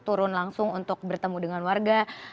turun langsung untuk bertemu dengan warga